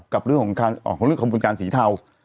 กับเรื่องของขบวนการสีเทา